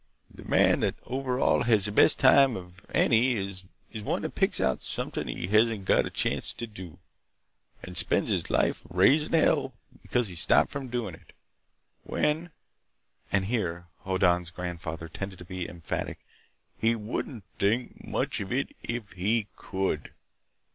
The man that over all has the best time of any is one that picks out something he hasn't got a chance to do, and spends his life raisin' hell because he's stopped from doing it. When"—and here Hoddan's grandfather tended to be emphatic—"he wouldn't think much of it if he could!"